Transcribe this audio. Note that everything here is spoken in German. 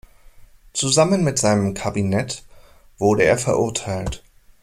Zusammen mit seinem Kabinett wurde er verurteilt.